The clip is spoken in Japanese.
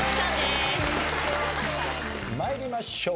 参りましょう。